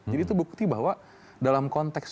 jadi itu bukti bahwa dalam konteks